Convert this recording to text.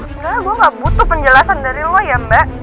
sebenarnya gue gak butuh penjelasan dari lo ya mbak